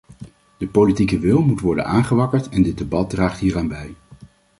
De politieke wil moet worden aangewakkerd en dit debat draagt hieraan bij.